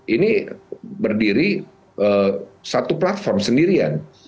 ini berdiri satu platform sendirian